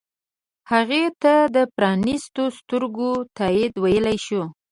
هغې ته د پرانیستو سترګو تایید ویلی شو.